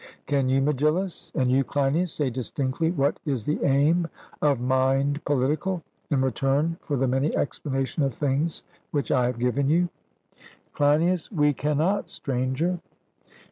Can you, Megillus, and you, Cleinias, say distinctly what is the aim of mind political, in return for the many explanations of things which I have given you? CLEINIAS: We cannot, Stranger.